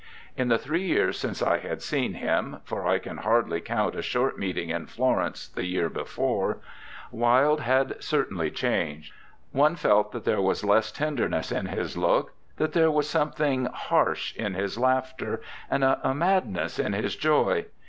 In the three years since I had seen him for I can hardly count a short meeting in Florence the year before Wilde had certainly changed. One felt that there was less tenderness in his look, that there was something harsh in his laughter and a madness in his joy.